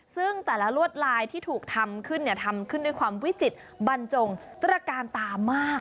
ซึ่งแต่ละลวดลายที่ถูกทำขึ้นทำขึ้นด้วยความวิจิตรบรรจงตระกาลตามาก